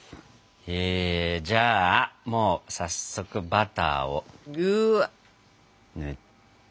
じゃあもう早速バターを塗って。